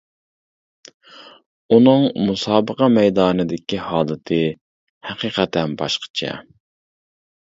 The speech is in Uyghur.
ئۇنىڭ مۇسابىقە مەيدانىدىكى ھالىتى ھەقىقەتەن باشقىچە.